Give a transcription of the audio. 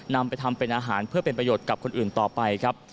นำไปทำเป็นอาหารเพื่อเป็นประโยชน์กับคนอื่นต่อไปครับ